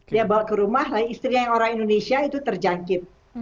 dia dibawa ke rumah istrinya orang indonesia itu terjangkit